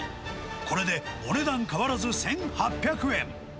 これでお値段変わらず１８００円。